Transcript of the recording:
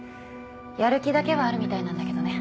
やる気だけはあるみたいなんだけどね。